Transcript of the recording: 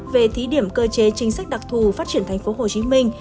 về thí điểm cơ chế chính sách đặc thù phát triển thành phố hồ chí minh